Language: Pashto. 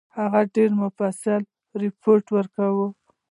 هغه ډېر مفصل رپوټ ورکړ.